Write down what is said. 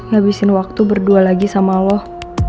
ngabisin waktu berdua lagi sama allah